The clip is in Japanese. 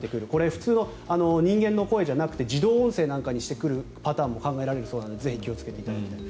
普通の人間の声じゃなくて自動音声なんかにしてくるパターンも考えられるそうなのでぜひ気をつけていただきたい。